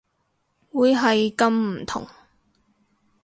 會係咁唔同